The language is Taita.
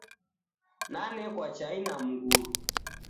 Nanekwa chai na mgulu.